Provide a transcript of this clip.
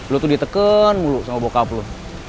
lu tuh diteken mulu sama bokap lo